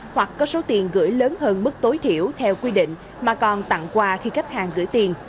hoặc có số tiền gửi lớn hơn mức tối thiểu theo quy định mà còn tặng quà khi khách hàng gửi tiền